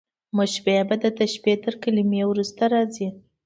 مشبه به، د تشبېه تر کلمې وروسته راځي.